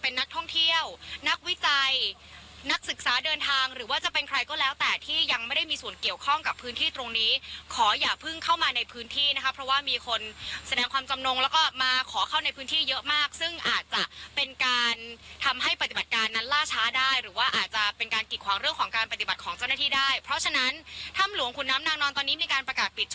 ท่องเที่ยวนักวิจัยนักศึกษาเดินทางหรือว่าจะเป็นใครก็แล้วแต่ที่ยังไม่ได้มีส่วนเกี่ยวข้องกับพื้นที่ตรงนี้ขออย่าพึ่งเข้ามาในพื้นที่นะคะเพราะว่ามีคนแสดงความจำนงแล้วก็มาขอเข้าในพื้นที่เยอะมากซึ่งอาจจะเป็นการทำให้ปฏิบัติการนั้นล่าช้าได้หรือว่าอาจจะเป็นการกิดขวางเรื่องของการป